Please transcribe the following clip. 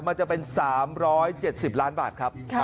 มันจะเป็น๓๗๐ล้านบาทครับ